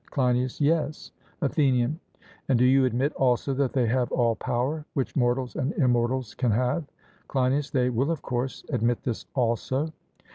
CLEINIAS: Yes. ATHENIAN: And do you admit also that they have all power which mortals and immortals can have? CLEINIAS: They will, of course, admit this also.